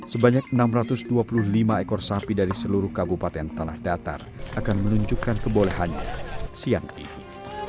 sebanyak enam ratus dua puluh lima ekor sapi dari seluruh kabupaten tanah datar akan menunjukkan kebolehannya siang ini